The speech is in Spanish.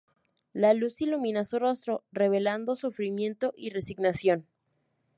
La luz ilumina su rostro, revelando sufrimiento y resignación.